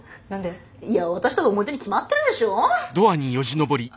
私との思い出に決まってるでしょ！